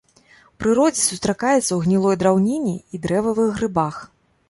У прыродзе сустракаецца ў гнілой драўніне і дрэвавых грыбах.